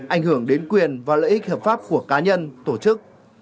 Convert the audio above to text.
ảnh hưởng đến quyền và lợi ích hợp pháp của cá nhân tổ chức